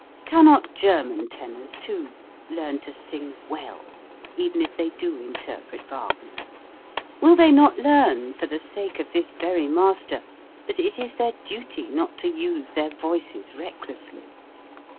Cannot German tenors, too, learn to sing well, even if they do interpret Wagner? Will they not learn, for the sake of this very master, that it is their duty not to use their voices recklessly